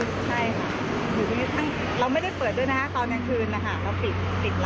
ใช่ค่ะเราไม่ได้เปิดด้วยตอนกลางคืนเราปิดร้าน